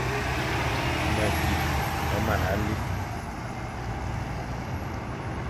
Meki me mana likh.